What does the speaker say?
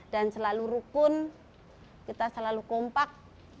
dan selalu rukun kita selalu kompak